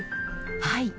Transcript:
はい。